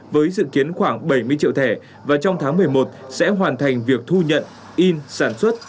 với dự kiến khoảng bảy mươi triệu thẻ và trong tháng một mươi một sẽ hoàn thành việc thu nhận in sản xuất